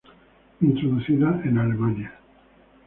Introducida en Alemania.